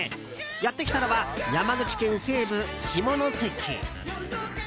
やってきたのは山口県西部、下関！